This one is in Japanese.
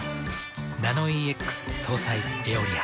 ナノイーＸ搭載「エオリア」。